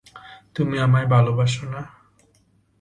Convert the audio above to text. তুমি আমায় ভালোবাসো না?